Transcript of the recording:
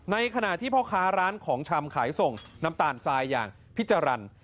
ในขณะที่พ่อค้าร้านของชำขายส่งน้ำตาลทรายอย่างพี่จรรย์